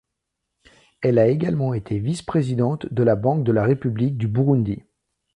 Elle a également été vice-présidente de la banque de la République du Burundi.